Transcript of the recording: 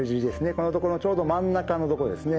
このところのちょうど真ん中のとこですね。